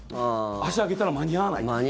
足上げたら間に合わないと。